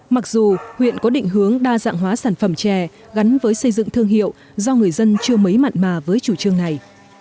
mặc dù huyện có định hướng đa dạng hóa sản phẩm chè gắn với xây dựng thương hiệu do người dân chưa mấy mạn mà với chủ trương này